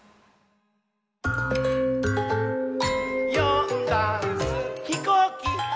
「よんだんす」「ひこうき」！